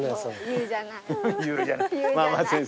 言うじゃない。